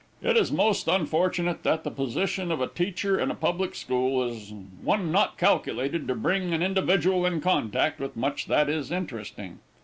"It is most unfortunate that the position of a teacher in a public school is one not calculated to bring an individual in contact with much that is interesting."